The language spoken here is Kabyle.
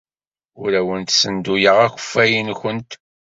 Ur awent-ssenduyeɣ akeffay-nwent.